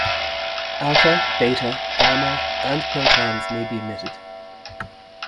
Alpha, beta, gamma, and protons may be emitted.